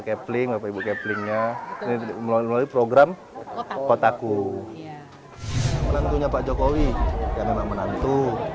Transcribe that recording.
kepling bapak ibu keplingnya melalui program kotaku menentunya pak jokowi yang memang menantu